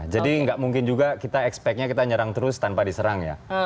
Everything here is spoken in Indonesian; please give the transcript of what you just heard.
jadi nggak mungkin juga kita expectnya kita nyerang terus tanpa diserang ya